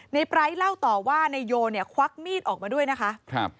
นายไปร์เล่าต่อว่านายโยควักมีดออกมาด้วยนะคะ